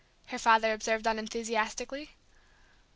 her father observed unenthusiastically.